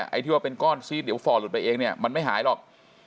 ไอ้ที่ว่าเป็นก้อนซีดเดี๋ยวฝ่อหลุดไปเองเนี่ยมันไม่หายหรอก